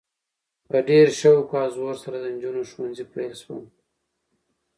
په ډیر شوق او زور سره د نجونو ښونځي پیل شول؛